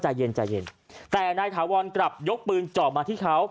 ใจเย็นใจเย็นแต่นายถาวรกลับยกปืนจ่อมาที่เขา